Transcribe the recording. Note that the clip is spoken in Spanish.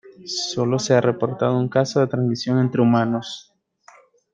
Sólo se ha reportado un caso de transmisión entre humanos.